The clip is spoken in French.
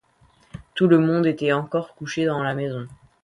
Tout le monde était encore couché dans la maison.